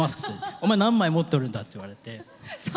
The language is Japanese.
お前、何枚持っとるんだって言われて。